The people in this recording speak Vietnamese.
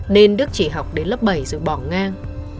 nên đức chỉ học đến lớp bảy rồi bỏ ngang